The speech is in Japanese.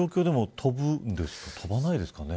飛ばないですかね。